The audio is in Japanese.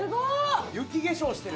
雪化粧してる。